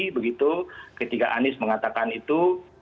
begitu ketika anies mengatakan itu